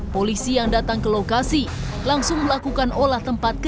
polisi yang datang ke lokasi langsung melakukan olah tempat kejadian